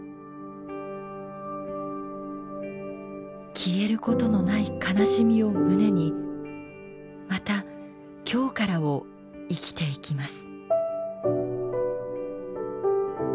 消えることのない悲しみを胸にまた“今日から”を生きていきます。